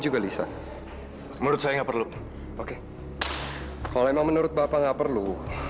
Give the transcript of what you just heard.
kalau menurut bapak nggak perlu